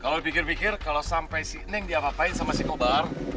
kalau pikir pikir kalau sampai si neng diapapain sama si kobar